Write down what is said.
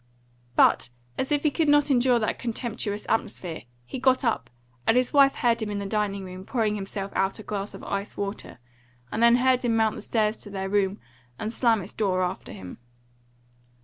But as if he could not endure that contemptuous atmosphere, he got up, and his wife heard him in the dining room pouring himself out a glass of ice water, and then heard him mount the stairs to their room, and slam its door after him.